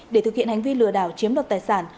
để thực hiện hành vi lừa đảo chiếm đoạt tài sản